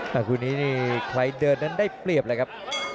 แต่คู่นี้นี่ใครเดินนั้นได้เปรียบเลยครับ